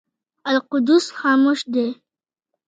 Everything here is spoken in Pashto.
القدس خاموشه دی.